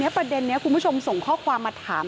ประเด็นนี้คุณผู้ชมส่งข้อความมาถาม